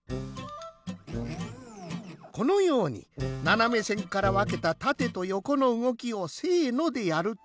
このようにななめせんからわけたたてとよこのうごきをせのでやると。